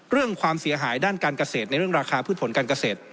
เรื่องความเสียหายด้านการเกษตรในเรื่องราคาพืชผลการเกษตร